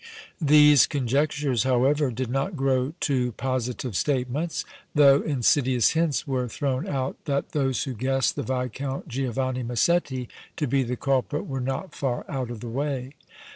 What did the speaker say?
These conjectures, however, did not grow to positive statements, though insidious hints were thrown out that those who guessed the Viscount Giovanni Massetti to be the culprit were not far out of the way.